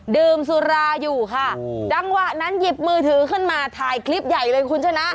ดื่มสุราอยู่ค่ะจังหวะนั้นหยิบมือถือขึ้นมาถ่ายคลิปใหญ่เลยคุณชนะ